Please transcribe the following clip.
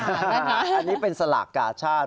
อันนี้เป็นสลากกาชาติ